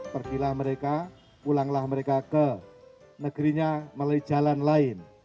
pergilah mereka pulanglah mereka ke negerinya melalui jalan lain